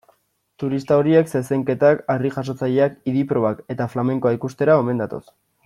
Turista horiek zezenketak, harri-jasotzaileak, idi-probak eta flamenkoa ikustera omen datoz.